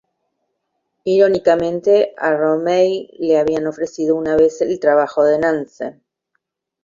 Irónicamente, a Romney le habían ofrecido una vez el trabajo de Nance.